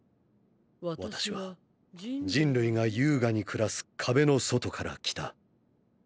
私は人類が優雅に暮らす壁の外から来た。